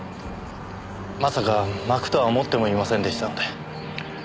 まさかまくとは思ってもいませんでしたので。